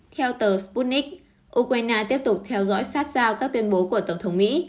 theo tờ sputnik ukraine tiếp tục theo dõi sát sao các tuyên bố của tổng thống mỹ